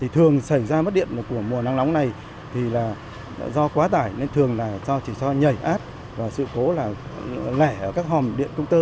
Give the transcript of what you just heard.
thường xảy ra mất điện của mùa nắng nóng này là do quá tải nên thường chỉ do nhảy át và sự cố lẻ ở các hòm điện công tơ